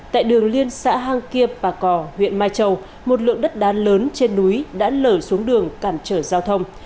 tại đường liên xã hang kia bà cò huyện mai châu một lượng đất đá lớn trên núi đã lở xuống đường cản trở giao thông